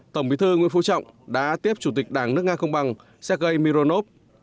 tổng bí thư nguyễn phú trọng đã tiếp chủ tịch đảng nước nga công bằng sergei mironov